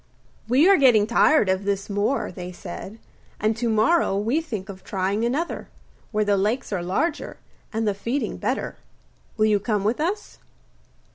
'We are getting tired of this moor,' they said, 'and to morrow we think of trying another, where the lakes are larger and the feeding better. Will you come with us?